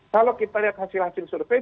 kalau kita lihat hasil hasil survei